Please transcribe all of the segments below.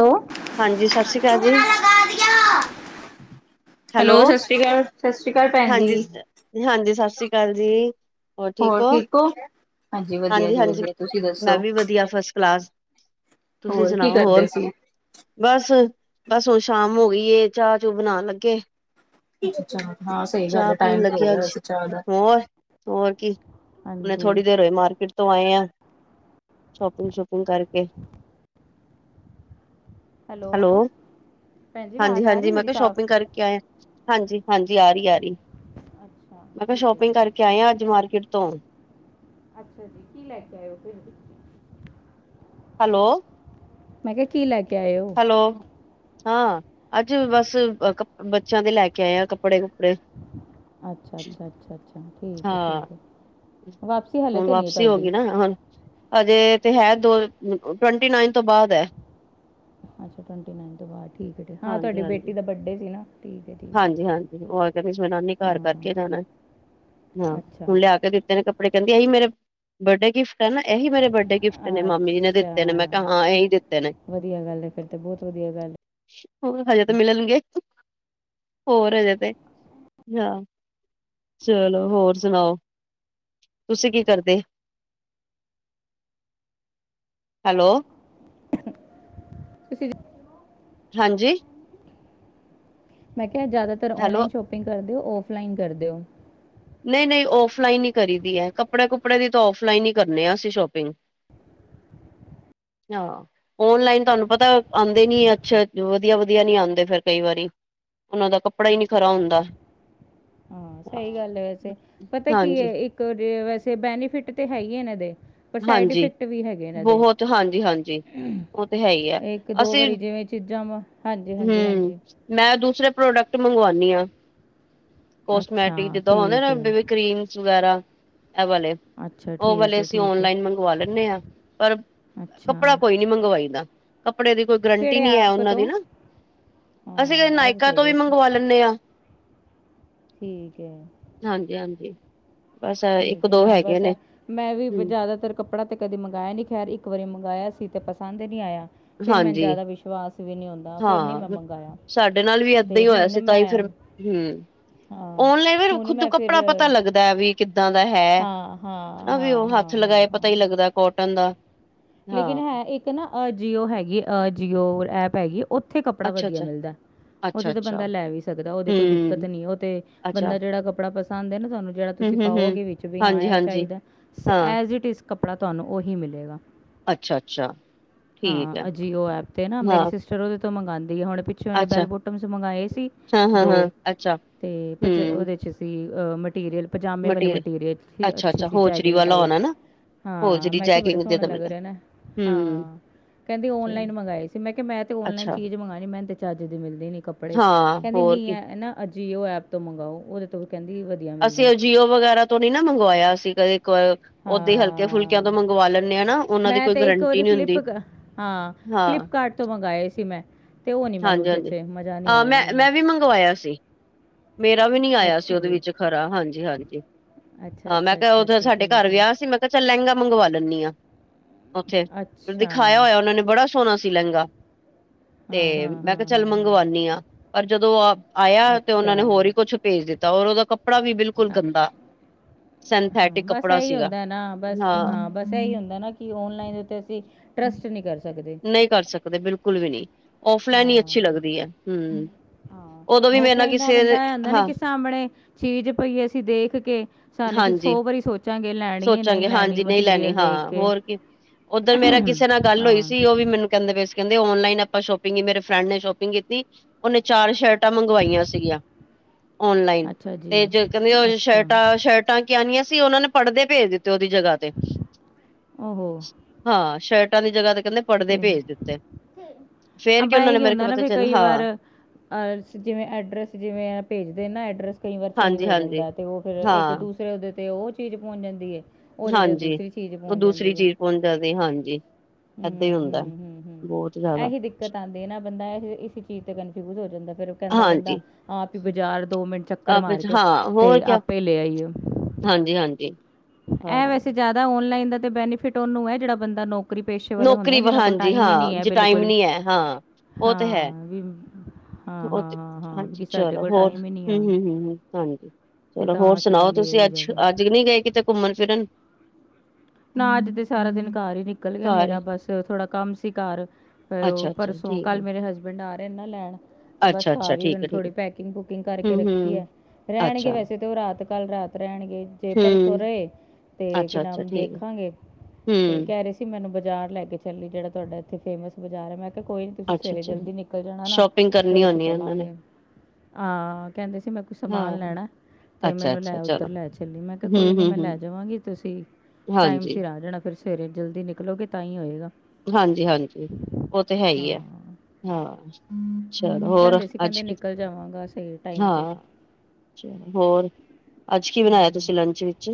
Hello ਹਾਂਜੀ ਸਤਿ ਸ਼੍ਰੀ ਅਕਾਲ ਜੀ। ਹੈਲੋ ਸਤਿ ਸ਼੍ਰੀ ਅਕਾਲ ਸਤਿ ਸ਼੍ਰੀ ਅਕਾਲ ਭੈਣ ਜੀ। ਹਾਂਜੀ ਹਾਂਜੀ ਸਤਿ ਸ੍ਰੀ ਅਕਾਲ ਜੀ। ਹੋਰ ਠੀਕ ਹੋ ਹਾਂਜੀ ਵਧੀਆ ਜੀ ਹਾਂਜੀ-ਹਾਂਜੀ, ਵਧੀਆ ਤੁਸੀਂ ਮੈਂ ਦੱਸੋ ਵੀ ਵਧੀਆ ਫਸ ਕਲਾਸ। ਤੁਸੀਂ ਹੋਰ ਕੀ ਸੁਣਾਓ ਹੋਰ? ਕਰਦੇ ਸੀ? ਬਸ, ਬਸ ਹੁਣ ਸ਼ਾਮ ਹੋ ਗਈ ਏ ਚਾਹ-ਚੂ ਬਣਾਉਣ ਲੱਗੇ। ਅੱਛਾ ਹਾਂ ਸਹੀ ਗੱਲ ਚਾਹ ਹੈ ਪੀਣ ਟਾਈਮ ਤੇ ਹੋ ਲੱਗਿਆ ਗਿਆ ਅੱਜ ਵੈਸੇ ਚਾਹ ਦਾ। ਹੋਰ ਹੋਰ ਕੀ। ਹੁਣੇ ਹਾਂਜੀ ਥੋੜੀ ਦੇਰ ਹੋਈ ਮਾਰਕੀਟ ਤੋਂ ਆਏ ਆ, ਸ਼ੋਪਿੰਗ-ਸ਼ੋਪਿੰਗ ਕਰਕੇ। ਹੈਲੋ, ਭੈਣ ਜੀ ਆਵਾਜ਼ ਆ ਰਹੀ ਹਾਂਜੀ-ਹਾਂਜੀ ਮੈਂ ਮੇਰੀ ਕਿਹਾ ਸਾਫ਼? ਸ਼ੋਪਿੰਗ ਕਰਕੇ ਕੇ ਆਏ ਆ। ਹਾਂਜੀ-ਹਾਂਜੀ ਆ ਰਹੀ ਆ ਰਹੀ। ਅੱਛਾ ਮੈਂ ਕਿਹਾ ਠੀਕ ਹੈ ਜੀ ਸ਼ੋਪਿੰਗ ਕਰਕੇ ਠੀਕ ਹੈ। ਆਏ ਆ ਅੱਜ ਮਾਰਕੀਟ ਤੋਂ। ਅੱਛਾ ਜੀ ਕੀ ਲੈ ਕੇ ਆਏ ਓ ਫਿਰ? ਹੈਲੋ। ਮੈਂ ਕਿਹਾ ਕੀ ਲੈਗ ਕੇ ਆਇ ਓ? ਲੋ ਹਾਂ ਅੱਜ ਬਸ ਬੱਚਿਆਂ ਦੇ ਲੈ ਕੇ ਆਏ ਆ ਕੱਪੜੇ। ਅ ਅੱਛਾ ਅੱਛਾ, ਅੱਛਾ-ਅੱਛਾ ਠੀਕ ਹੈ, ਹਾਂ ਠੀਕ ਹੈ। ਵਾਪਸੀ ਹਾਲੇ ਹੁਣ ਤਾਂ ਨਹੀਂ ਹੈ ਵਾਪਸੀ ਹੋ ਤੁਹਾਡੀ ਗਈ ਨਾ ਹੁਣ ਹਜੇ ਤੇ ਹੈ, ਦੋ ਟਵੰਟੀ ਨਾਈਨ ਤੋਂ ਬਾਅਦ ਹੈ। ਤੋਂ ਬਾਅਦ ਠੀਕ ਹ ਹਾਂ ਹਾਂਜੀ ਤੁਹਾਡੀ ਬੇਟੀ ਹਾਂਜੀ ਦਾ ਬੱਡੇ ਸੀ ਨਾ ਠੀਕ ਹੈ ਠੀਕ ਹੈ ਹਾਂਜੀ ਹਾਂਜੀ ਘਰ ਹਾਂ। ਕਰਕੇ ਜਾਣਾ ਅੱਛਾ ਹੁਣ ਲਿਆ ਕਦੇ ਤਿੰਨ ਕੱਪੜੇ ਕਹਿੰਦੀ ਮੇਰੇ ਬਰਡੇ ਗਿਫਟ ਪਹਿਲਾਂ ਇਹੀ ਮੇਰੇ ਬਰਡੇ ਗਿਫਟ ਨੇ ਮਮੀ ਜੀ ਨੇ ਅੱਛਾ ਦਿੱਤੇ ਨੇ ਮੈਂ ਕਹਾ ਐ ਹੀ ਦਿੱਤੇ। ਵਧੀਆ ਗੱਲ ਹੈ ਕੱਢ ਤੇ ਬਹੁਤ ਵਧੀਆ ਗੱਲ ਹਜੇ ਤਾਂ ਹੈ ਮਿਲਣਗੇ। ਹੋਰ ਹਜੇ ਤੇ ਚਲੋ ਹੋਰ ਸੁਣਾਓ ਤੁਸੀਂ ਕੀ ਕਰਦੇ? ਹੈਲੋ। ਤੁਸੀਂ। ਹਾਂਜੀ। ਮੈਂ ਕਿਹਾ ਜ਼ਿਆਦਾਤਰ ਹੈਲੋ ਔਨਲਾਈਨ ਸ਼ੋਪਿੰਗ ਕਰਦੇਓ, ਔਫਲਾਈਨ ਕਰਦੇਓ? ਨਹੀਂ-ਨਹੀਂ, ਔਫਲਾਈਨ ਹੀ ਕਰੀ ਦੀ ਹੈ। ਕੱਪੜੇ-ਕੁੱਪੜੇ ਦੀ ਤਾਂ ਔਫਲਾਈਨ ਹੀ ਕਰਨੇ ਆ ਅਸੀਂ ਸ਼ੋਪਿੰਗ। ਹਹ ਔਨਲਾਈਨ ਤੁਹਾਨੂੰ ਪਤਾ ਆਉਂਦੇ ਨੀ ਅੱਛਾ, ਵਧੀਆ-ਵਧੀਆ ਨੀ ਆਉਂਦੇ ਫਿਰ ਕਈ ਵਾਰੀ। ਉਹਨਾਂ ਦਾ ਕੱਪੜਾ ਹੀ ਨੀ ਖਰਾ ਹੁੰਦਾ। ਹਾਂ ਸਹੀ ਗੱਲ ਹੈ। ਵੈਸੇ ਪਤਾ ਕੀ ਹਾਂਜੀ ਹੈ ਇੱਕ ਵੈਸੇ ਬੈਨੀਫਿਟ ਤੇ ਹੈ ਹੀ ਇਹਨਾਂ ਦੇ ਪਰ ਸਾਈਡ ਹਾਂਜੀ ਇਫੈਕਟ ਵੀ ਹੈਗੇ ਇਹਨਾਂ ਦੇ ਬਹੁਤ ਹਾਂਜੀ ਹਾਂਜੀ ਉਹ ਤੇ ਹੈ ਹੀ ਹੈ ਇੱਕ ਦੋ ਅਸੀਂ ਵਾਰੀ ਜਿਵੇਂ ਚੀਜ਼ਾਂ ਵਾ ਹਾਂਜੀ-ਹਾਂਜੀ ਹਾਂਜੀ। ਹਮ, ਮੈਂ ਦੂਸਰੇ ਪ੍ਰੋਡਕਟ ਮੰਗਵਾਉਂਣੀ ਆ। ਅੱਛਾ ਕੋਸਮੈਟਿਕ ਜਿਦਾ ਠੀਕ ਹੈ ਹੁੰਦੇ ਕਰੀਮ ਵਗੈਰਾ ਇਹ ਵਾਲੇ। ਅੱਛਾ ਠੀਕ ਹੈ। ਤੇ ਠੀਕ ਹੈ ਆਨਲਾਈਨ ਮੰਗਵਾ ਲੈਦੇ ਆ ਅੱਛਾ ਗਰੰਟੀ ਕਿਹੜੇ ਨਹੀਂ ਹੈ ਐਪ ਉਹਨਾਂ ਤੋਂ ਦੀ ਨਾ ਅਸੀਂ ਕਦੇ ਹਾਂ ਇਹ ਤਾਂ ਨਾਇਕਾ ਸਹੀ ਤੋਂ ਵੀ ਗੱਲ ਹੈ। ਮੰਗਵਾ ਲ ਚ ਆ ਠੀਕ ਹੈ। ਹਾਂਜੀ ਹਾਂਜੀ ਅੱਛਾ ਇੱਕ ਠੀਕ ਹੈ ਦੋ ਹਾਂ ਹੈਗੇ ਬਸ ਐ ਨੇ ਮੈਂ ਵੀ ਹਮ ਜਿਆਦਾਤਰ ਕੱਪੜਾ ਤੇ ਕਦੇ ਮੰਗਾਇਆ ਨਹੀਂ ਖੈਰ ਇੱਕ ਵਾਰੀ ਮੰਗਾਇਆ ਸੀ ਤੇ ਪਸੰਦ ਨਹੀਂ ਆਇਆ। ਤੇ ਮੈਂ ਹਾਂਜੀ ਜਿਆਦਾ ਵਿਸ਼ਵਾਸ ਵੀ ਨਹੀਂ ਆਉਂਦਾ ਫਿਰ ਨਹੀਂ ਹਾਂ ਮੈਂ ਮੰਗਾਇਆ। ਹਾਂ ਆਨਲਾਈਨ ਹੁਣ ਤੂੰ ਮੈਂ ਫਿਰ ਕੱਪੜਾ ਪਤਾ ਲੱਗਦਾ। ਵੀ ਕਿੱਦਾਂ ਦਾ ਹੈ ਹਾਂ ਹਾਂ ਹਾਂ ਵੀ ਹਾਂ ਉਹ ਹੱਥ ਹਾਂ ਹਾਂ ਲਗਾਏ ਪਤਾ ਹਾਂ ਹੀ ਲੱਗਦਾ ਕੋਟਨ ਦਾ ਲੇਕਿਨ ਹਾਂ ਹੈ ਇੱਕ ਨਾ ਅਜੀਓ ਹੈਗੀਓ ਐਪ ਹੈਗੀ। ਉੱਥੇ ਕੱਪੜਾ ਅੱਛਾ ਵਧੀਆ ਅੱਛਾ ਮਿਲਦਾ। ਅੱਛਾ ਉਥੇ ਤੇ ਅੱਛਾ ਬੰਦਾ ਲੈ ਵੀ ਸਕਦਾ ਉਹਦੇ ਕੋਈ ਹਮ ਦਿੱਕਤ ਨਹੀਂ ਉਹ ਤੇ ਅੱਛਾ ਬੰਦਾ ਜਿਹੜਾ ਕੱਪੜਾ ਤਾਂਦੇ ਨੇ ਤੁਹਾਨੂੰ ਜਿਹੜਾ ਤੁਸੀਂ ਹਮ ਹਮ ਹਮ ਪਾਓਗੇ ਵਿੱਚ ਵੀ ਹਾਂਜੀ ਹਾਂ ਹਾਂਜੀ ਚਾਹੀਦਾ ਤੇ ਹਾਂ ਐਜ ਇਟ ਕੱਪੜਾ ਤੁਹਾਨੂੰ ਉਹੀ ਮਿਲੇਗਾ। ਅੱਛਾ ਅੱਛਾ। ਠੀਕ ਹਾਂ ਹੈ ਅਜੀਓ ਉਹ ਐਪ ਤੇ ਨਾ ਹਾਂ ਮੇਰੀ ਸਿਸਟਰ ਉਹਦੇ ਤੋਂ ਮੰਗਾਦੀ ਹੁਣ ਉਹਨੇ ਅੱਛਾ ਬੈਲ ਬੋਟਮ ਮੰਗਾਏ ਸੀ ਹਾਂ ਹਾਂ ਤੋ ਹਾਂ ਅੱਛਾ ਹਮ ਉਹਦੇ ਚ ਸੀ ਅਹ ਮਟੀਰੀਅਲ ਪਜਾਮੇ ਵਾਲੇ ਮਟੀਰੀਅਲ ਅੱਛਾ ਅੱਛੇ ਅੱਛਾ ਸੀ ਹੋਜਰੀ ਚੈਕਿੰਗ ਵਾਲਾ ਹੋਣਾ ਨਾ ਟਾਈਪ ਹੋਰ ਜਿਹੜੀ ਮੈਂ ਕਿਹਾ ਬੜੇ ਜੈਕਿੰਗ ਦੇ ਸੋਹਣੇ ਤਾਂ ਮਿਲਦਾ। ਲਗ ਨਾ ਹੂੰ। ਹਾਂ ਕੈਂਦੀ ਆਨਲਾਈਨ ਮੰਗਾਏ ਸੀ ਮੈਂ ਕਿਹਾ ਮੈਂ ਤੇ ਆਨਲਾਈਨ ਅੱਛਾ ਚੀਜ਼ ਮੰਗਾ ਰਹੀ ਮੈਂ ਤੇ ਚੱਜ ਦੀ ਮਿਲਦੀ ਨਹੀਂ ਕੱਪੜੇ। ਹਾਂ ਕਹਿੰਦੀ ਹੋਰ ਨਹੀਂ ਕੀ ਹ ਨਾ ਅਜੀਓ ਐਪ ਤੋਂ ਮੰਗਾਓ ਉਹਦੇ ਤੋਂ ਕਹਿੰਦੀ। ਮਿਲਦੇ ਨੇ। ਅਸੀਂ ਜੀਓ ਵਗੈਰਾ ਤੋਂ ਨਹੀਂ ਨਾ ਮੰਗਵਾਇਆ ਸੀਗਾ। ਉਦੇ ਹਲਕੇ ਫੁਲਕਿਆਂ ਤੋਂ ਹਾਂ, ਮੰਗਵਾ ਲੈਂਦੇ ਆ ਹਨਾ ਉਹਨਾਂ ਦੀ ਮੈਂ ਕੋਈ ਤੇ ਗਰੰਟੀ ਨਹੀਂ ਹੁੰਦੀ। ਹਾਂ ਕਲਿਪ ਕਾਰਡ ਤੋਂ ਮੰਗਾਏ ਸੀ ਮੈਂ। ਤੇ ਉਹ ਨੀ ਮੈਨੂੰ ਹਾਂਜੀ ਹਾਂਜੀ ਜਚੇ, ਮਜ਼ਾ ਨਹੀਂ ਆਇਆ ਮੈਂ ਮੈਨੂੰ। ਮੈਂ ਵੀ ਮੰਗਵਾਇਆ ਸੀ। ਮੇਰਾ ਵੀ ਨਹੀਂ ਆਇਆ ਸੀ ਅੱਛਾ ਉਹਦੇ ਜੀ। ਵਿੱਚ। ਹਰਾ ਹਾਂਜੀ ਹਾਂਜੀ ਅੱਛਾ, ਮੈਂ ਅੱਛਾ, ਕਿਹਾ ਅੱਛਾ, ਉਦੋਂ ਅੱਛਾ ਸਾਡੇ ਘਰ ਠੀਕ ਐ। ਵਿਆਹ ਸੀ ਮੈਂ। ਕ ਚਲ ਲਹਿੰਗਾ ਮੰਗਵਾ ਲੈਂਦੀ ਹਾਂ ਉੱਥੇ ਅੱਛਾ। ਦਿਖਾਇਆ ਹੋਇਆ ਉਹਨਾਂ ਨੇ ਬੜਾ। ਸੋਹਣਾ ਸੀ ਲਹਿੰਗਾ ਹਾਂ, ਤੇ ਹਾਂ, ਮੈਂ ਕਿਹਾ ਹਾਂ, ਚੱਲ ਹਾਂ, ਮੰਗਵਾਉਦੀ ਹਾਂ ਪਰ ਜਦੋਂ ਆਪ। ਆਇਆ ਤੇ ਉਹਨਾ ਅੱਛਾ। ਨੇ ਹੋਰ ਹੀ ਕੁਛ ਭੇਜ ਦਿੱਤਾ ਔਰ ਉਹਦਾ ਕੱਪੜਾ ਵੀ ਬਿਲਕੁਲ ਅ ਗੰਦਾ। ਹਾਂ ਸਿੰਥੈਟਿਕ ਬਸ ਕੱਪੜਾ ਇਹੀ ਸੀਗਾ ਹੁੰਦਾ ਹੈ ਨਾ ਬਸ ਹਾਂ। ਬਸ ਇਹੀ ਹੁੰਦਾ ਨਾ ਕਿ ਔਨਲਾਈਨ ਦੇ ਉੱਤੇ ਅਸੀਂ ਟਰਸਟ ਨਹੀਂ ਕਰ ਸਕਦੇ। ਹੀ ਕਰ ਸਕਦੇ ਬਿਲਕੁਲ ਵੀ ਨੀ ਔਫਲਾਈਨ ਹੀ ਅੱਛੀ ਲੱਗਦੀ ਹੈ ਹਮ। ਉਦੋਂ ਵੀ ਮੇਰੇ ਨਾਲ ਓਫਲਾਈਨ ਕਿਸੇ ਬੰਦਾ ਆਦਾ ਨਾ ਹਾਂ ਕਿ ਸਾਹਮਣੇ ਚੀਜ਼ ਪਈ ਅਸੀਂ ਦੇਖ ਕੇ। ਸਾਨੂੰ ਅਸੀਂ ਹਾਂਜੀ ਸੌ ਵਾਰੀ ਸੋਚਾਂਗੇ ਲੈਣੀ ਹੈ ਨਹੀਂ ਸੋਚਾਂਗੇ ਲੈਣੀ ਮਟੀਰੀਅਲ ਦੇਖ ਕੇ। ਉਧਰ ਮੇਰਾ ਕਿਸੇ ਨਾਲ ਗੱਲ ਹੋਈ ਹਾਂ ਸੀ ਉਹ ਵੀ ਮੈਨੂੰ। ਕਹਿੰਦੇ ਆਨਲਾਈਨ ਆਪਾਂ ਸ਼ੋਪਿੰਗ ਮੇਰੇ ਫਰੈਂਡ ਨੇ ਸ਼ੋਪਿੰਗ ਕੀਤੀ। ਉਹਨੇ ਚਾਰ ਸ਼ਰਟਾਂ ਮੰਗਵਾਈਆਂ ਸੀਗੀਆਂ। ਆਨਲਾਈਨ ਅੱਛਾ ਜੀ ਤੇ ਕਹਿੰਦੇ ਅੱਛਾ ਸ਼ਰਟਾਂ। ਤਾਂ ਕਿ ਆਨੀਆਂ ਸੀ ਉਹਨਾਂ ਨੇ ਪੜ੍ਹਦੇ ਭੇਜ ਦਿੱਤੇ ਉਹਦੀ ਜਗ੍ਹਾ ਤੇ। ਹੋ ਹਾਂ ਸ਼ਰਟਾਂ ਦੀ ਜਗ੍ਹਾ ਤੇ ਕਹਿੰਦੇ ਪੜਦੇ ਤੇ ਭੇਜ ਦਿੱਤੇ ਫਿਰ ਕਿ ਆਪਾਂ ਉਹਨਾਂ ਇਹ ਨੇ ਹੀ ਮੇਰੇ ਹੁੰਦਾ ਖਿਆਲ ਨਾ ਪਤਾ ਫਿਰ ਚੱਲ ਕਈ ਵਾਰ ਹਾਂ। ਅਹ, ਜਿਵੇਂ ਅੱਡਰੈੱਸ ਜਿਵੇਂ ਭੇਜਦੇ ਨਾ ਐਡਰ ਕਈ ਵਾਰ ਚੇਂਜ ਹਾਂਜੀ ਹੋ ਹਾਂਜੀ ਜਾਂਦਾ ਤੇ ਉਹ ਫਿਰ ਇੱਕ। ਹਾਂ ਦੇ ਤੇ ਉਹ ਚੀਜ਼ ਪਹੁੰਚ ਜਾਂਦੀ ਹ ਉਹਦੇ ਤੇ ਦੂਸਰੀ ਚੀਜ਼ ਪਹੁੰਚ ਜਾਂਦੀ ਹ ਹੁਣ ਜ਼ਿਆਦਾ ਹਾਂਜੀ ਏਦਾਂ ਹੀ ਹੁੰਦਾ ਬਹੁਤ ਜ਼ਿਆਦਾ। ਤਾਂ ਦੇ ਨਾ ਬੰਦਾ ਇਸ ਚੀਜ਼ ਤੇ ਕਨਫਿਊਜ ਹੋ ਜਾਂਦਾ ਫੇਿਰ। ਕਹਿੰਦਾ ਬੰਦਾ ਹਾਂਜੀ ਆਪ ਹੀ ਬਾਜ਼ਾਰ ਦੋ ਮਿੰਟ ਚੱਕਰ ਆਪ ਮਾਰ ਵਿੱਚ ਕੇ। ਹਾਂ ਹੋਰ ਤੇ ਕਿਆ ਆਪੇ ਲੈ ਆਈਏ ਹਾਂਜੀ ਹਾਂਜੀ ਹਾਂ। ਔਨਲਾਈਨ ਦਾ ਤੇ ਬੈਨੀਫਿਟ ਉਹਨੂੰ ਹੈ ਜਿਹੜਾ ਬੰਦਾ ਨੌਕ। ਨੌਕਰੀ ਪਰ ਹਾਂਜੀ ਹਾਂ ਜੇ ਟਾਈਮ ਬਿਲਕੁਲ ਨੀ ਹੈ ਹਾਂ। ਉਹ ਤੇ ਹੈ ਹਾਂ ਵੀ ਹਾਂ ਉਹ ਹਾਂ ਤੇ ਹਾਂ ਹਾਂ ਵੀ ਹਾਂਜੀ ਕਿ ਸਾਡੇ ਚਲੋ ਕੋਲ ਹੋਰ ਟਾਈਮ ਹੀ ਨਹੀਂ ਆ ਹਮ ਹੁਣ ਹਮ ਹਮ ਹ। ਹਾਂਜੀ ਅਤੇ ਚਲੋ ਹੋਰ ਤਾਂ ਅਸੀਂ ਜੇ ਸੁਣਾਓ ਲੈ ਤੁਸੀਂ ਆਈਏ ਜਾ ਅੱਜ ਕੇ ਅੱਜ ਨਹੀ ਗਏ ਕਿਤੇ ਘੁੰਮਣ ਫਿਰਨ। ਨਾ ਅੱਜ ਤੇ ਸਾਰਾ ਦਿਨ ਘਰ ਹੀ ਨ। ਨਿਕਲ ਗਿਆ ਘਰ ਮੇਰਾ ਹੀ ਬਸ ਥੋੜਾ ਕੰਮ ਸੀ ਕਾਰ ਉਹ ਅੱਛਾ ਅੱਛਾ ਪਰਸੋਂ ਠੀਕ ਕੱਲ ਹੈ ਮੇਰੇ ਹਸਬੈਂ। ਵੰਡਾਰ ਨਾ ਲੈਣ ਤੇ ਬਸ ਅੱਛਾ ਅੱਛਾ ਕਾਰ ਹੀਈ ਠੀਕ ਰੈਣ ਹੈ ਠੀਕ ਥੋੜ੍ਹੀ ਹੈ ਪੈਕਿੰਗ ਪੂਕਿੰਗ ਹੂੰ ਕਰਕੇ ਰੱਖੀ ਹੂੰ ਹੈ ਰਹਿਣਗੇ ਅੱਛਾ ਵੈਸੇ ਤੇ ਉਹ ਰਾਤ। ਕੱਲ ਰਾਤ ਰਹਿਣਗੇ ਜੇ ਪਰਸੋਂ ਹੂੰ ਰਹੇ ਤੇ ਕੀ ਅੱਛਾ ਅੱਛਾ ਨਾਮ ਠੀਕ ਦੇਖ। ਹੈ ਰਖਾਂਗੇ ਤੇ ਹੂੰ ਕਹਿ ਰਹੇ ਸੀ। [unintelligible] ਤੇ ਮੈਨੂੰ ਬਾਜ਼ਾਰ ਲੈ ਕੇ ਚੱਲੀ ਜਿਹੜਾ ਤੁਹਾਡਾ ਇੱਥੇ ਫੇਮਸ ਬਾਜ਼ਾਰ ਹੈ ਮੈਂ ਕਿਹਾ ਕੋਈ। ਤੁਸੀਂ ਅੱਛਾ ਸਵੇਰੇ ਅੱਛਾ ਜਲਦੀ ਨਿਕਲ ਜਾਣਾ ਨਾ ਸ਼ੋਪਿੰਗ ਕਰਨੀ ਫੇਰ ਅਸੀਂ ਹੋਣੀ ਹੈ ਇਹਨਾਂ ਨੇ ਚਲਾਂਗੇ। ਹਾਂ ਕਹਿੰਦੇ ਸੀ ਮੈਂ ਕੁਈ ਸਮਾਨ ਹਾਂ ਲੈਣਾ। ਤੇ ਅੱਛਾ ਮੈਨੂੰ ਅੱਛਾ ਲੈ ਚਲੋ ਉਧਰ ਲੈ ਚੱਲੀ ਮੈਂ ਕਿਹਾ ਹੂੰ ਕੋਈ ਨੀ ਹੂੰ ਮੈਂ ਹੂੰ ਲੈ ਜਾਵਾਂਗੀ ਤੁਸੀਂ। ਟਾਈਮ ਹਾਂਜੀ ਸਿਰ ਆ ਜਾਣਾ ਫਿਰ ਸਵੇਰੇ ਜਲਦੀ ਨਿਕਲੋਗੇ ਤਾਂ ਹੀ ਹੋਏਗਾ। ਹਾਂਜੀ ਹਾਂਜੀ ਉਹ ਤੇ ਹੈ ਹੀ ਆ ਹਾਂ ਹਾਂ। ਚਲੋ ਹੋਰ ਕਹਿੰਦੇ ਸੀ ਅੱਜ ਕਹਿੰਦੇ ਕੀ ਨਿਕਲ ਜਾਵਾਂਗਾ ਸਹੀ ਟਾਈਮ ਤੇ। ਅੱਛਾ, ਹੋਰ, ਅੱਜ ਕੀ ਬਣਾਇਆ ਤੁਸੀਂ ਹਮ, ਲੰਚ ਵਿੱਚ?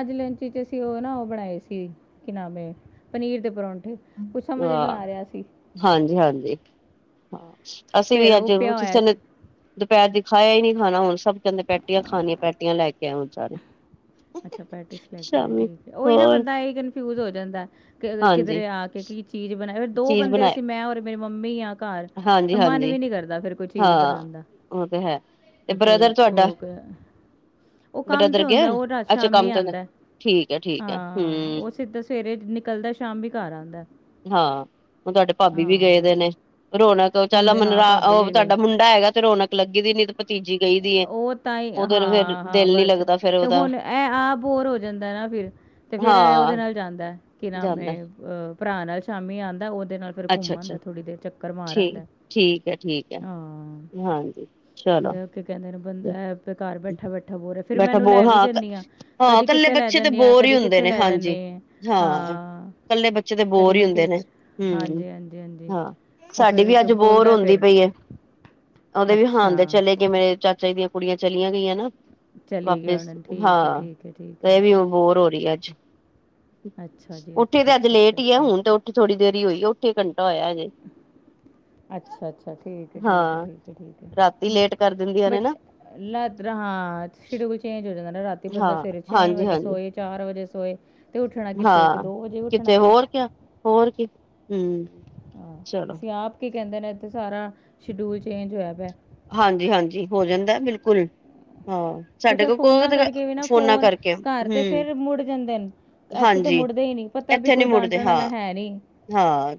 ਅੱਜ ਲੰਚ'ਚ ਅਸੀਂ ਉਹ ਨਾ ਉਹ ਬਣਾਏ ਸੀ, ਕਿ ਨਾਮ ਏ, ਪਨੀਰ ਦੇ ਪਰੌਂਠੇ। ਕੁਛ ਸਮਝ ਨਹੀਂ ਵਾਹ ਆ ਰਿਹਾ ਸੀ। ਹਾਂਜੀ-ਹਾਂਜੀ, ਹਾਂ, ਅਸੀਂ ਫਿਰ ਵੀ ਅੱਜ ਉਹ ਤ ਪਿਆ ਹੋਇਆ ਕਿਸੇ ਨੇ ਸੀ ਦੁਪਹਿਰ ਦੀ ਖਾਇਆ ਹੀ ਨਹੀਂ ਖਾਣਾ, ਹੁਣ ਸਭ ਕਹਿੰਦੇ ਪੈਟੀਆਂ ਖਾਣੀਆਂ, ਪੈਟੀਆਂ ਲੈਕੇ ਆਇ ਵਿਚਾਰੇ। ਅੱਛਾ ਪੈਟੀਸ ਲੈਕੇ ਆਏ, ਠੀਕ ਹੈ? ਉਹੀ ਨਾ, ਹੋਰ ਬੰਦਾ ਇਹੀ ਕਨਫਿਊਜ ਹੋ ਜਾਂਦਾ। ਹਾਂਜੀ ਕਿਧਰੇ ਆਕੇ ਕੀ ਚੀਜ਼ ਬਣਾਈ, ਫ ਦੋ ਚੀਜ਼ ਬੰਦੇ ਬਣਾਏ ਅਸੀਂ, ਮੈਂ ਔਰ ਮੇਰੀ ਮੰਮੀ ਆ। ਘਰ, ਮਨ ਹਾਂਜੀ-ਹਾਂਜੀ ਵੀ ਨੀ ਕਰਦਾ ਫੇਰ ਕੋਈ ਹਾਂ ਚੀਜ਼ ਬਣਾਣ ਦਾ। ਉਹ ਤੇ ਹੈ ਤੇ ਏ ਕੋਈ ਬ੍ਰਦਰ ਤੁਹਾਡਾ ਓਹ ਕੈ, ਓ ਕੰਮ ਤੇ ਬ੍ਰਦਰ ਗਿਆ ਹੁੰਦਾ, ਓ ਰਾਤ, ਅੱਛਾ ਸ਼ਾਮ ਮੀ ਕੰਮ ਤੇ ਨੇ, ਆੰਦੈ ਠੀਕ ਹੈ ਠੀਕ ਹੈ ਹਾਂ ਓਹ ਹਮ ਸਿੱਧਾ ਸਵੇਰੇ ਨਿਕਲਦੈ ਸ਼ਾਮੀ ਘੱਰ ਆੰਦੈ। ਹਾਂ, ਹੁਣ ਤੁਹਾਡੇ ਭਾਬੀ ਵੀ ਗਏਦੇ ਨੇ, ਰੌਣਕ ਚੱਲ ਮੰਮੀ ਹਾਂ ਭਾਬੀ ਮਨਰਾ--ਓ ਵੀ ਗਏ ਤੁਹਾਡਾ ਮੁੰਡ ਛੋਟਾ ਹੈਗਾ ਤੇ ਰੌਣਕ ਲੱਗੀ ਦੀ, ਨੀ ਤੇ ਭਤੀਜੀ ਗਈਦੀ ਏ। ਓਹ ਤਾਂਈ, ਉਹਦੇ ਫੇਰ ਹਾਂ-ਹਾਂ ਦਿਲ ਨੀ ਬਸ, ਲੱਗਦਾ ਫੇਰ ਤੇ ਉਹਦਾ ਹੁਣ ਐਹ ਆਪ ਬੋਰ ਹੋ ਜਾਂਦੈ ਨਾ ਫਿਰ। ਤੇ ਫੇਰ ਐ, ਔਦੇ ਹਾਂ ਨਾਲ ਜਾਂਦੈ ਕਿ ਜਾਂਦਾ ਨਾਮੇ, ਅਹ ਭਰਾ ਨਾਲ ਸ਼ਾਮੀ ਆੰਦੈ ਓਹਦੇ ਨਾਲ ਫਿਰ ਘੁੰਮਂ ਅੱਛਾ-ਅੱਛਾ ਆੰਦੈ, ਥੋੜ੍ਹੀ ਦੇਰ ਚੱਕਰ ਮਾਰ ਠੀਕ ਆੰਦੈ, ਠੀਕ ਹੈ ਠੀਕ ਹੈ ਹਾਂ। ਹਾਂਜੀ ਚਲੋ ਕੀ ਕਹਿੰਦੇ ਨੇ ਬੰਦ ਐਹ ਅਪੇ ਘਾਰ ਬੈਠਾ-ਬੈਠਾ ਬੋਰ ਹੋਏ, ਫੇਰ ਮੈਂ ਬੈਠਾ ਐਨੂੰ ਬੋਰ ਲੈਵੀ ਹਾਂ ਜਾਂਦੀ ਆਂ, ਹਾਂ ਕਦੀ ਇਕੱਲੇ ਕਿੱਤੇ ਲੈ ਬੱਚੇ ਤੇ ਜਾਂਣੀ ਆਂ, ਬੋਰ ਹੀ ਕਦੀ ਹੁੰਦੇ ਕਿੱਤੇ ਲੈ ਜਾਣ ਨੇ, ਹਾਂ। ਕੱਲੇ ਬੱਚੇ ਤੇ ਕਦੀ ਬੋਰ ਹੀ ਮੈਂ ਹੁੰਦੇ ਨੇ, ਕਿੱਧਰ ਹੂੰ, ਹਾਂਜੀ, ਹਾਂਜੀ, ਹਾਂਜੀ ਹਾਂ। ਉਹ ਸਾਡੀ ਫਿਰ ਵੀ ਇੱਕ ਅੱਜ ਬੋਰ ਬੋਲਦਾ ਹੁੰਦੀ ਫਿਰ ਪਈ ਏ। ਉਹਦੇ ਵੀ ਹਾਨ ਦੇ ਅੱਛਾ, ਚਲੇ ਜਿਵੇਂ, ਚਾਚਾ ਜੀ ਦੀਆਂ ਕੁੜੀਆਂ ਚਲੀਆਂ ਗਈਆਂ ਨਾ ਚਲੀ ਗਿਆ ਵਾਪਿਸ। ਹੁਣ ਠੀਕ ਹੈ, ਹਾਂ, ਠੀਕ ਹੈ, ਠੀਕ ਇਹ ਹੈ। ਵੀ ਬੋਰ ਹੋ ਰਹੀ ਹੈ, ਅੱਜ। ਅੱਛਾ ਜੀ ਉੱਠੇ ਅੱਛਾ ਤੇ ਅੱਜ ਅੱਛਾ ਅੱਛਾ ਲੇਟ ਹੀ ਆ, ਹੁਣ ਤੇ ਉੱਠੇ ਥੋੜ੍ਹੀ ਦੇਰ ਹੀ ਹੋਈ ਆ, ਉੱਠੇ ਘੰਟਾ ਹੋਇਆ ਹਜੇ। ਅੱਛਾ-ਅੱਛਾ, ਠੀਕ ਏ, ਠੀਕ ਏ, ਹਾਂ ਠੀਕ ਏ, ਠੀਕ ਰਾਤੀ ਲੇਟ ਕਰ ਦਿੰਦੀਆਂ ਏ। ਨੇ ਨਾ ਲੈ ਦਰ ਹਾਂ, ਸ਼ੀਡਊਲ ਚੇਂਜ ਹੋ ਜਾਂਦਾ ਨਾ, ਰਾਤੀ ਬੰਦਾ ਹਾਂ ਸਵੇਰੇ ਛੇ ਹਾਂਜੀ ਵਜੇ ਹਾਂਜੀ ਸੋਏ ਚਾਰ ਵਜੇ ਸੋਏ, ਤੇ ਉੱਠਣਾ ਕਿੱਥੇ ਹਾਂ ਇੱਕ-ਦੋ ਵਜੇ ਉੱਠਣਾ ਕਿਤੇ ਫਿਰ। ਹੋਰ ਕਿਆ ਹੋਰ ਕੀ, ਹੂੰ, ਚਲੋ। ਵੀ ਆਪ ਕੀ ਕਹਿੰਦੇ ਨੇ ਇੱਥੇ ਸਾਰਾ, ਸ਼ੀਡਿਊਲ ਚੇਂਜ ਹੋਇਆ ਪਿਆ। ਹਾਂਜੀ-ਹਾਂਜੀ, ਹੋ ਜਾਂਦਾ, ਬਿਲਕੁਲ, ਹਾਂ। ਕੁਛ ਸਾਡੇ ਕੋਲ ਕੋ ਫੋਨਾਂ ਕਰਕੇ ਵੀ ਨਾ ਫੋਨਾਂ ਫੋਨ, ਕਰਕੇ ਘਰ ਤੇ ਹੂੰ ਫਿਰ ਮੁੜ ਜਾਂਦੇ ਨੇ, ਇੱਥੇ ਤਾਂ ਹਾਂਜੀ ਮੁੜਦੇ ਹੀ ਨਹੀਂ। ਪਤਾ ਵੀ, ਇੱਥੇ ਨੀ ਕੋਈ ਮੁੜਦੇ ਡਾਂਟਣ ਹਾਂ ਵਾਲਾ ਹੈ ਨਹੀਂ। ਹਾਂ,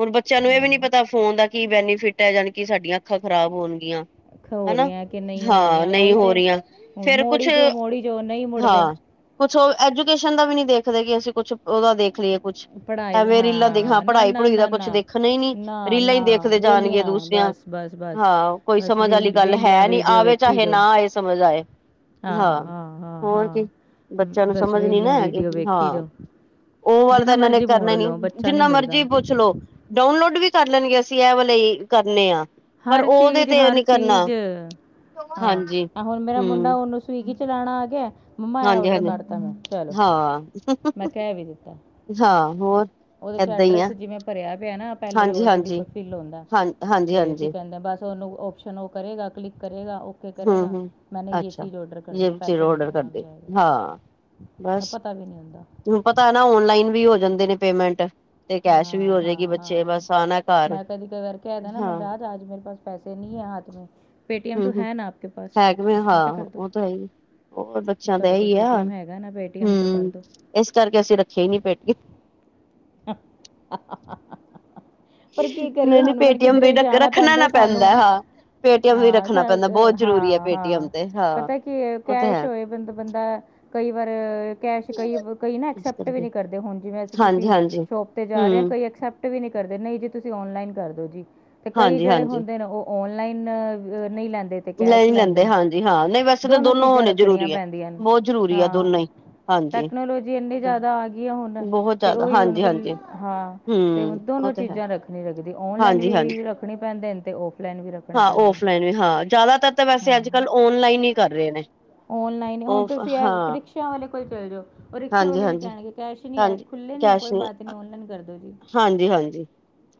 ਹੁਣ ਬੱਚਿਆਂ ਨੂੰ ਏ ਵੀ ਨੀ ਹਾਂ ਪਤਾ, ਫੋਨ ਦਾ ਕੀ ਬੈਨੀਫਿਟ ਐ, ਜਾਣੀ ਕਿ ਸਾਡੀਆਂ ਅੱਖਾਂ ਖ਼ਰਾਬ ਹੋਣ ਗੀਆਂ। ਖ ਹੋ ਹਨਾ, ਰਹੀਆਂ ਕਿ ਨਹੀਂ ਹੋ ਹਾਂ, ਰਹੀਆਂ ਨਹੀਂ ਉਹੀ ਹੋ ਤਾਂ ਰੀਆਂ, ਫੇਰ ਕੁਛ, ਮੋੜੀ 'ਚੋਂ ਮੋੜੀ 'ਚੋਂ ਨਹੀਂ ਮੁੜਦੇ ਹਾਂ ਕੁਛ ਓਹ ਐਜੂਕੇਸ਼ਨ ਦਾ ਵੀ ਨੀ ਦੇਖਦੇ, ਕਿ ਅਸੀਂ ਕੁਛ ਓਹਦਾ ਦੇਖ ਲੀਏ। ਕੁਛ ਪੜ੍ਹਾਈ ਐਵੇਂ ਰੀਲਾਂ ਦੇਖਣਾ, ਹਾਂ ਨਾ ਨਾ ਪੜ੍ਹਾਈ-ਪੜੂਈ ਦਾ ਨਾ ਕੁਛ ਨਾ ਦੇਖਣਾ ਈ ਨਹੀ, ਰੀਲਾਂ ਹੀ ਦੇਖਦੇ ਜਾਣਗੇ ਦੂਸਰੀਆਂ। ਬਸ-ਬਸ। ਹਾਂ ਕੋਈ ਸਮਝ ਆਲੀ ਗੱਲ ਹੈ ਨੀ, ਆਵੇ, ਚਾਹੇ ਨਾ ਆਏ, ਸਮਝ ਆਏ। ਹਾਂ, ਹੋਰ ਕੀ ਵ- ਬੱਚਿਆਂ ਨੂੰ ਬਸ ਸਮਝ ਨੀ ਵੇਲੀਆਂ ਨਾ ਹੈਗੀ, ਵੀਡੀਓ ਵੇਖੀ ਹਾਂ। ਜਾਓ ਓਮਵਰ ਤਾਂ ਜਿੰਨਾ ਏਨਾਂ ਨੇ ਮਰਜ਼ੀ ਮੋੜ ਕਰਨਾ ਨੀ, ਲਓ ਬੱਚਾ ਨਹੀਂ ਜਿੰਨਾ ਮਰਜ਼ੀ ਮੁੜਦਾ ਪੁੱਛਲੋੋ। ਡਾਊਨਲੋਡ ਵੀ ਕਰ ਲੈਣਗੇ, ਅਸੀਂ ਐ ਵਾਲੇ ਕਰਨੇ ਆਂ। ਹਰ ਚੀਜ਼, ਹਰ ਚੀਜ਼ ਹਾਂ, ਹਾਂਜੀ ਅ ਹੁਣ ਮੇਰਾ ਮੁੰਡਾ ਹੂੰ ਓਹਨੂੰ ਸਵੀਗੀ ਚਲਾਣਾ ਆ ਗਿਐ, ਮੰਮਾ ਐ ਹਾਂਜੀ ਔਡਰ ਹਾਂਜੀ ਕਰਤਾ ਚਲੋ, ਹਾਂ ਮੈਂ ਕਿਹ ਵੀ ਦਿੱਤਾ। ਹਾਂ, ਹੋਰ? ਓਹਦੇ'ਚ ਏਦਾਂ ਹੀ ਆ ਐਡਰਸ ਜਿਵੇਂ ਭਰਿਆ ਪਿਆ ਨਾ, ਪਹਿਲੇ ਈ ਹਾਂਜੀ ਔਲਰੇਡੀ ਪ ਹਾਂਜੀ ਫਿਲ ਹੋੰਦੈ। ਹਾਂ ਹਾਂਜੀ ਤੇ ਕੀ ਹਾਂਜੀ ਕਹਿੰਦੇ ਬਸ ਓਹਨੁੰ ਓ ਸ਼ਨ ਓਹ ਕਰੇਗਾ, ਕਲਿਕ ਕਰੇਗਾ, ਓਕੇ ਹੂੰ ਕਰੇਗਾ, ਹੂੰ ਮੈਨੇ ਯੇ ਅੱਛਾ ਚੀਜ਼ ਔਰਡਰ ਕਰਲੀ ਜੇ ਐ ਚਿਰ ਪੈਸੇ ਦੇ ਔਡਰ ਦੇਨਾ। ਵੀ ਕਰਦੇ ਆਇਗਾ? ਹਾਂ ਆ, ਪਤਾ ਵੀ ਨੀ ਹੁੰਦਾ। ਤੀਨੁੰ ਪਤੈ ਨਾ ਔਨਲਾਈਨ ਵੀ ਹੋ ਜਾਂਦੇ ਨੇ, ਪੇਮੈਂਟ। ਤੇ ਕੈਸ਼ ਵੀ ਹੋਜੇਗੀ ਬੱਚੇ, ਬਸ ਆਨਾ ਘਰ, ਹਾਂ। ਪੰਜ ਮਿੰਟ ਬਸ। ਪੈਸੇ ਨਹੀ ਹੈ ਹਾਥ ਮੇਂ, ਪੇਟੀਐਮ ਹੂੰ ਤੋਂ ਹੂੰ ਹੈ ਨਾ ਆਪਕੇ ਪਾਸ ਹੈ ਕਿਵੇਂ ਉਸਮੇ ਹਾਂ ਕਰਦੋ। ਉਹ ਤਾਂ ਹੈ ਹੀ ਹੋਰ ਬੱਚਿਆਂ ਦਾ ਤੁਹਾਡੇ ਕੋਲ ਇਹੀ ਆ ਪੇਟੀਐਮ ਹੈਗਾ ਨਾ ਪੇਟੀਮ ਚੋਂ ਕਰ ਹੂੰ ਦਿਓ ਇਸ ਕਰਕੇ ਅਸੀਂ ਰੱਖਿਆਂ ਈ ਨੀ ਪੇਟੀਐਮ। [unintelligible] ਪਰ ਕੀ ਕਰੀਏ ਨਹੀਂ ਨਹੀਂ ਹੁਣ ਮੈਨੂੰ ਪੇਟੀਐਮ ਕਿਧਰੇ ਵੀ ਜਾਣਾ ਰੱਖਣਾ ਪੈਂਦਾ ਨਾ ਸਾਨੂੰ। ਹਾਂ ਪੇਟੀਐਮ ਵੀ ਹਾਂ ਰੱਖਣਾ ਪੈਂਦਾ ਬਹੁਤ [unintelligible] ਜ਼ਰੂਰੀ ਹੈ ਹਾਂ ਪੇਟੀਐਮ ਹਾਂ ਤੇ ਹਾਂ ਪਤਾ ਕੀ ਏ ਉਹ ਤਾਂ ਕੈਸ਼ ਹੈ ਹੋਏ ਬੰਦ ਕਈ ਵਾਰ ਕੈਸ਼ ਕਈ ਕਈ ਨਾ ਇਸ ਐਕਸਪਟ ਵੀ ਕਰਕੇ ਨੀ ਕਰਦੇ ਹੁਣ ਜਿਵੇਂ ਅਸੀਂ ਹਾਂਜੀ ਕਿਸੀ ਹਾਂਜੀ ਸ਼ੋਪ ਤੇ ਜਾ ਰਏ ਆ ਹੂੰ ਕਈ ਅਕਸੈਪਟ ਵੀ ਨੀ ਕਰਦੇ ਨਹੀਂ ਜੀ ਤੁਸੀਂ ਔਨਲਾਈਨ ਕਰਦੋ ਜੀ ਤੇ ਕਈ ਹਾਂਜੀ ਜੇੜੇ ਹਾਂਜੀ ਹੁੰਦੇ ਨੇ ਉਹ ਔਨਲਾਈਨ ਨਹੀਂ ਲੈਂਦੇ ਤੇ ਕੈਸ਼ ਨਹੀਂ ਲੈਂਦੇ ਨੇ ਹਾਂਜੀ ਹਾਂ ਨਹੀਂ ਵੈਸੇ ਤਾਂ ਦੋਨੋਂ ਦੋਨੋ ਚੀਜ਼ਾਂ ਰੱਖਣੀਆਂ ਜ਼ਰੂਰੀ ਹੈ ਪੈਂਦੀਆਂ ਨੇ ਬਹੁਤ ਜ਼ਰੂਰੀ ਹੈ ਹਾਂ ਦੋਨੋਂ ਹੀ ਹਾਂਜੀ ਟੈਕਨੋਲੋਜੀ ਇੰਨੀ ਜ਼ਿਆਦਾ ਆ ਗਈ ਆ ਹੁਣ ਬਹੁਤ ਤੇ ਜ਼ਿਆਦਾ ਉਹੀ ਹੁਣ ਹਾਂਜੀ ਫਿਰ ਹਾਂਜੀ ਹਾਂ ਹੂੰ ਤੇ ਉਹ ਦੋਨੋ ਤੇ ਹੈ ਚੀਜ਼ਾਂ ਰੱਖਣੀ ਰੱਖਦੀ ਔਨਲਾਈਨ ਹਾਂਜੀ ਹਾਂਜੀ ਵੀ ਰੱਖਣੀ ਪੈਂਦੇ ਨੇ ਤੇ ਔਫਲਾਈਨ ਵੀ ਰੱਖਣੇ ਪੈਂਦੇ ਨੇ ਜਿਆਦਾ ਤੱਕ ਤਾਂ ਵੈਸੇ ਹਾਂ ਅੱਜ ਕੱਲ ਔਨਲਾਈਨ ਹੀ ਕਰ ਰਹੇ ਨੇ ਔਨਲਾਈਨ ਹੁਣ ਉਹ ਤੁਸੀਂ ਇਹ ਹਾਂ ਰਿਕਸ਼ਾ ਵਾਲੇ ਕੋਲ ਚੱਲ ਜਾਓ ਉਹ ਰਿਕਸ਼ੇ ਹਾਂਜੀ ਵਾਲੇ ਵੀ ਹਾਂਜੀ ਕਹਿਣਗੇ ਕੈਸ਼ ਨਹੀਂ ਹੈ ਹਾਂਜੀ ਖੁੱਲੇ ਨਹੀਂ ਹੈ ਕੈਸ਼ ਕੋਈ ਨੀ ਬਾਤ ਨਹੀਂ ਔਨਲਾਈਨ ਕਰ ਦਿਉ ਜੀ ਹਾਂਜੀ ਹਾਂਜੀ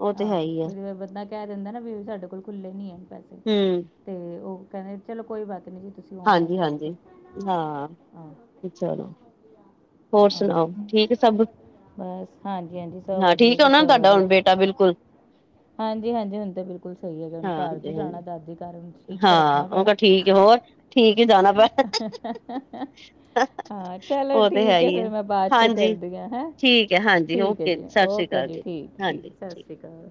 ਉਹ ਤੇ ਹੈ ਆਹ ਹੀ ਹੈ ਕੋਈ ਬੰਦਾ ਕਹਿ ਦਿੰਦਾ ਨਾ ਵੀ ਸਾਡੇ ਕੋਲ ਖੁੱਲੇ ਨੀ ਹੈ ਪੈਸੇ ਹੂ,,, ਤੇ ਉਹ ਕੈੰਦੇ ਚਲੋ ਕੋਈ ਬਾਤ ਨੀ ਜੀ। ਤੁਸੀਂ ਹਾਂਜੀ ਔਨਲਾਈਨ ਕਰ ਹਾਂਜੀ ਦੋ ਹਾਂ ਆਂ। ਚਲੋ ਹੋਰ ਸੁਣਾਓ ਠੀਕ ਸਭ? ਬਸ ਹਾਂਜੀ ਹਾਂਜੀ, ਸਭ ਹਾਂ ਵਧੀਆ ਠੀਕ ਜੀ ਹੋਣਾ ਸਭ ਤੁਹਾਡਾ ਵਧੀਆ ਹੁਣ ਬੇਟਾ ਜੀ। ਬਿਲਕੁਲ ਹਾਂਜੀ ਹਾਂਜੀ, ਹੁਣ ਤੇ ਬਿਲਕੁਲ ਸਹੀ ਹੈਗੇ। ਹੁਣ ਘਰ ਹਾਂਜੀ ਜਾਣਾ ਹਾਂਜੀ ਦਾਦੀ ਘਰ ਉੰਝ। ਹਾਂ, ਉਹ ਤਾਂ ਠੀਕ ਏ ਹੋਰ ਠੀਕ ਹੀ ਜਾਣਾ [unintelligible] ਹਾਂ, ਚਲੋ ਉਹ ਤੇ ਹੈ ਠੀਕ ਏ ਹੀ ਹੈ ਫਿਰ ਮੈਂ ਬਾਅਦ ਚ ਹਾਂਜੀ ਕਰਦੀ ਆਂ ਹੈ। ਠੀਕ ਹੈ ਹਾਂਜੀ ਠੀਕ ਹੈ ਓਕੇ ਜੀ ਸਤਿ ਓ ਸ੍ਰੀ [unintelligible] ਅਕਾਲ ਠੀਕ ਜੀ ਠੀਕ ਹਾਂਜੀ ਸਤਿ ਸ੍ਰੀ ਅਕਾਲ।